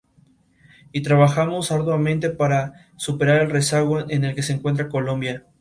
Y trabajamos arduamente para superar el rezago en el que se encuentra Colombia.